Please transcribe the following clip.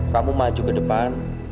kamu maju ke depan